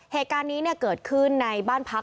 เหตุการณ์นี้เกิดขึ้นในบ้านพัก